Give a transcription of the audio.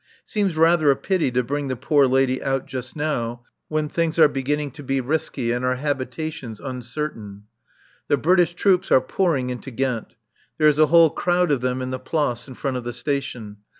(Seems rather a pity to bring the poor lady out just now when things are beginning to be risky and our habitations uncertain.) The British troops are pouring into Ghent. There is a whole crowd of them in the Place in front of the Station.